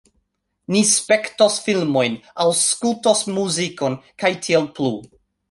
Ni spektos filmojn, aŭskultos muzikon, kaj tiel plu